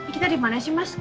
kita dimana sih mas